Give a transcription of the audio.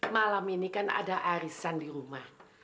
malam ini kan ada arisan di rumah